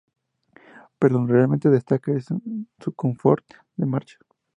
Pero donde realmente destaca es en su confort de marcha.